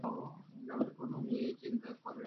গ্রামের কোনো মেয়ে এই চিন্তা করে না।